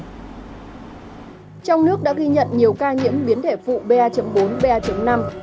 trong nước đã ghi nhận nhiều ca nhiễm biến thể phụ ba bốn ba năm